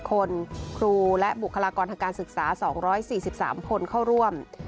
คนครูและบุคลากรทางการศึกษา๒๔๓คนเข้าร่วม